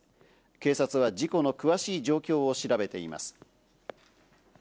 警察は事故の詳しい状況を調べています。